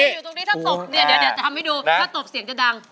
เดี๋ยวจะทำให้ดูถ้าตบเสียงจะดัง